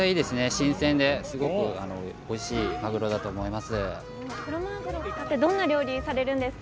新鮮ですごくおいしいマグロだと思います。